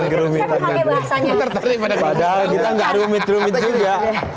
terlihat pada padahal kita nggak rumit rumit juga